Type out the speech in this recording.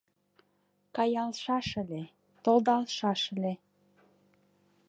Каялшаш ыле, толдалшаш ыле